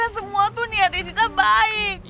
semua tuh niatnya kita baik